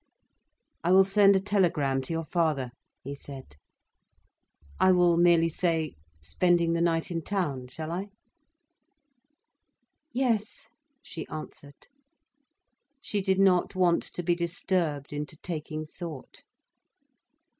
"I will send a telegram to your father," he said. "I will merely say 'spending the night in town,' shall I?" "Yes," she answered. She did not want to be disturbed into taking thought.